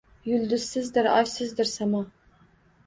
Yulduzsizdir, oysizdir samo.